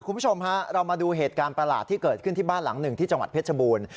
คุณผู้ชมฮะเรามาดูเหตุการณ์ประหลาดที่เกิดขึ้นที่บ้านหลังหนึ่งที่จังหวัดเพชรบูรณ์